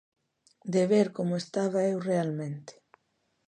De ver como estaba eu realmente.